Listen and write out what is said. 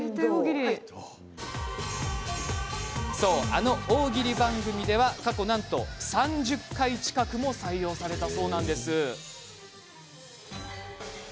そう、あの大喜利番組では過去なんと３０回近くも採用されていて。